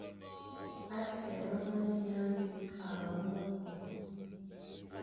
A fyelé monezañ abi à wu me bo,